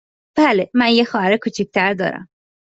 بله، من یک خواهر کوچک تر دارم.